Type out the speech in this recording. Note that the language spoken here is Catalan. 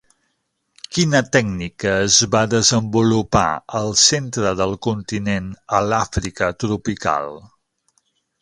Quina tècnica es va desenvolupar al centre del continent a l'Àfrica tropical?